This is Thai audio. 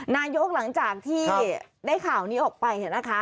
หลังจากที่ได้ข่าวนี้ออกไปนะคะ